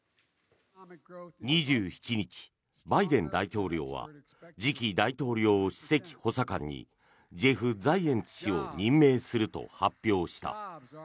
２７日、バイデン大統領は次期大統領首席補佐官にジェフ・ザイエンツ氏を任命すると発表した。